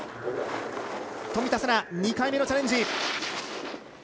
冨田せな、２回目のチャレンジ。